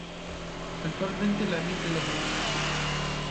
Actualmente la emite los domingos.